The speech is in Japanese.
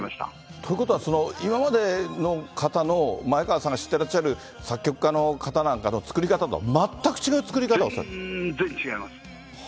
ということは、今までの方の、前川さんが知ってらっしゃる作曲家の方なんかの作り方とは全く違全然違います。